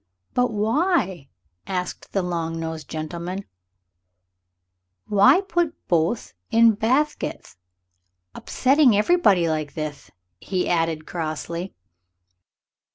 "But why," asked the long nosed gentleman "why put boyth in bathketth? Upthetting everybody like thith," he added crossly.